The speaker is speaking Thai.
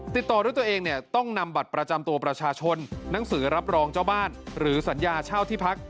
ติดต่อด้วยตัวเองเนี่ยต้องนำบัตรประจำตัวประชาชนหนังสือรับรองเจ้าบ้านหรือสัญญาเช่าที่พัก